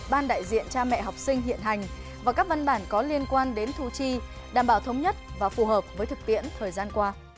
ban đại diện cha mẹ học sinh hiện hành và các văn bản có liên quan đến thu chi đảm bảo thống nhất và phù hợp với thực tiễn thời gian qua